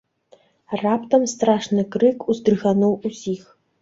Раптам страшны крык уздрыгануў усіх.